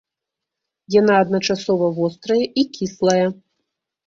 Яна адначасова вострая і кіслая.